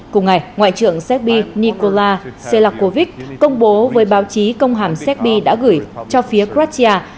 cùng ngày ngoại trưởng segb nikola selakovic công bố với báo chí công hàm segb đã gửi cho phía kratia